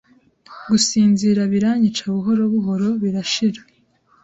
Gusinzira biranyica buhoro buhoro birashira